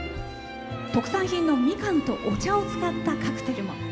特産品のミカンとお茶を使ったカクテルも。